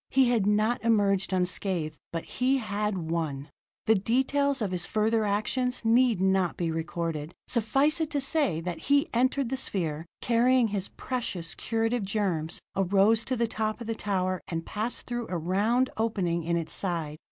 He had not emerged unscathed, but he had won! The details of his further actions need not be recorded. Suffice it to say that he entered the sphere, carrying his precious, curative germs, arose to the top of the tower, and passed through a round opening in its side.